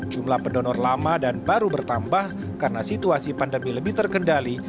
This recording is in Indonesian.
jumlah pendonor lama dan baru bertambah karena situasi pandemi lebih terkendali